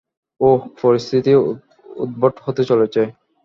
ওহ, পরিস্থিতি উদ্ভট হতে চলেছে।